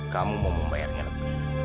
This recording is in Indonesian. kamu mau membayarnya lebih